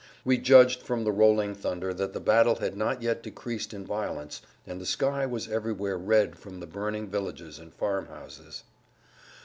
We judged from the rolling thunder that the battle had not yet decreased in violence, and the sky was everywhere red from the burning villages and farm houses.